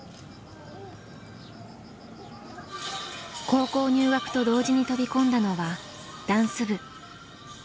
高校入学と同時に飛び込んだのはダンス部。